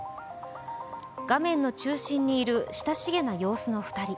画面の中心にいる親しげな様子の２人。